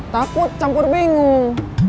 takut campur bingung